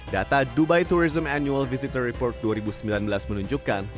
data dubai tourism annual visitor report dua ribu sembilan belas menunjukkan